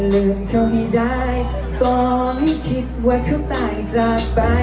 วันนี้หัวใจของเธอทั้งข้างกว่า